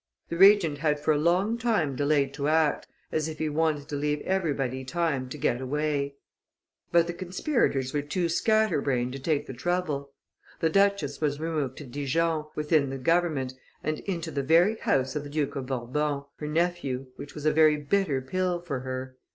The Regent had for a long time delayed to act, as if he wanted to leave everybody time to get away; but the conspirators were too scatter brained to take the trouble. The duchess was removed to Dijon, within the government, and into the very house of the Duke of Bourbon, her nephew, which was a very bitter pill for her.